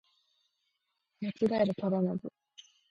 松平定信